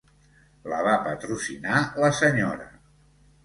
La va patrocinar la senyora.